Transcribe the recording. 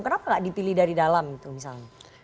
kenapa nggak dipilih dari dalam gitu misalnya